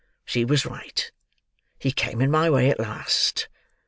She was right. He came in my way at last.